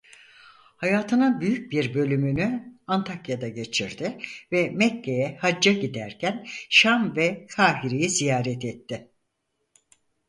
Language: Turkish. Hayatının büyük bir bölümünü Antakya'da geçirdi ve Mekke'ye hacca giderken Şam ve Kahire'yi ziyaret etti.